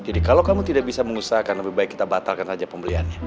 jadi kalau kamu tidak bisa mengusahakan lebih baik kita batalkan saja pembeliannya